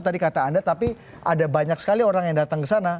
tadi kata anda tapi ada banyak sekali orang yang datang ke sana